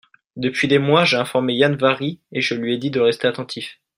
Depuis des mois j'ai informé Yann-Vari, et je lui ai dit de rester attentif.